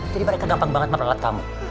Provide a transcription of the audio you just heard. jadi mereka gampang banget memperlelat kamu